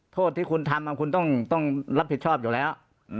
โทษที่คุณทำคุณต้องรับผิดชอบอยู่แล้ว